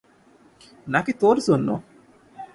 নাকি তোর জন্য?